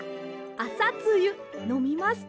あさつゆのみますか？